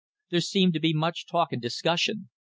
There seemed to be much talk and discussion.